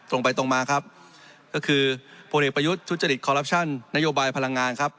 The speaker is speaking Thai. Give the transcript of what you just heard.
ตรงไปตรงมาครับก็คือพลเอกประยุทธ์ทุจริตคอรัปชั่นนโยบายพลังงานครับ